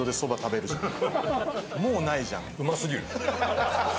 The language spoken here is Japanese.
もうないじゃん。